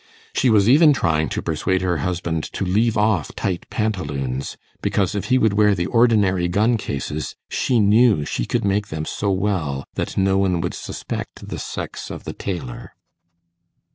She was even trying to persuade her husband to leave off tight pantaloons, because if he would wear the ordinary gun cases, she knew she could make them so well that no one would suspect the sex of the tailor.